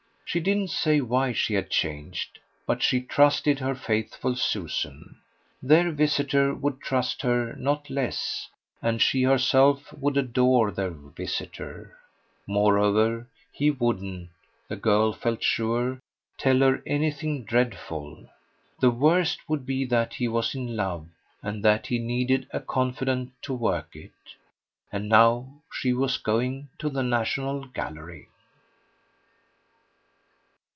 She didn't say why she had changed, but she trusted her faithful Susan. Their visitor would trust her not less, and she herself would adore their visitor. Moreover he wouldn't the girl felt sure tell her anything dreadful. The worst would be that he was in love and that he needed a confidant to work it. And now she was going to the National Gallery.